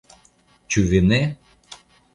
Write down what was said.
Ĉu vi ne?